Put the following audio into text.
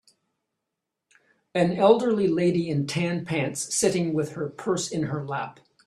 An elderly lady in tan pants sitting with her purse in her lap